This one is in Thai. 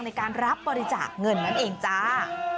ในการรับบริจาคเงินนั่นเองจ้า